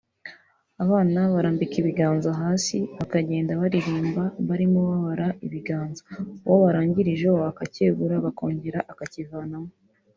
Abana barambika ibiganza hasi bakagenda baririmba barimo babara ibiganza uwo barangirijeho akacyegura bakongera akakivanamo